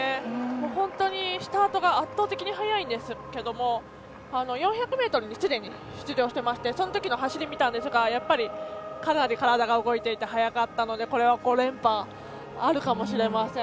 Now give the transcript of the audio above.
本当にスタートが圧倒的に速いんですけども４００ｍにすでに出場していましてそのときの走りを見たんですがかなり体が動いていて速かったので５連覇あるかもしれません。